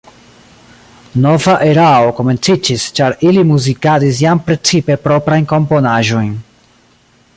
Nova erao komenciĝis, ĉar ili muzikadis jam precipe proprajn komponaĵojn.